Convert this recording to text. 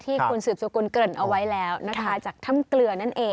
ที่คุณสืบสกุลเกริ่นเอาไว้แล้วนะคะจากถ้ำเกลือนั่นเอง